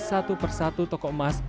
satu persatu toko emas